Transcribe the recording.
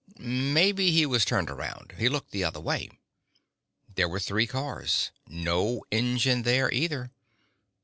Maybe he was turned around. He looked the other way. There were three cars. No engine there either.